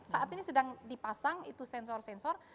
saat ini sedang dipasang itu sensor sensor